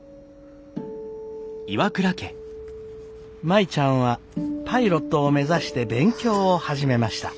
舞ちゃんはパイロットを目指して勉強を始めました。